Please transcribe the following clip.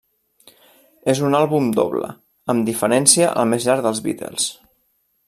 És un àlbum doble, amb diferència el més llarg dels Beatles.